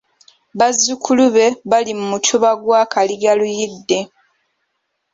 Bazzukulu be bali mu Mutuba gwa Kaliga Luyidde.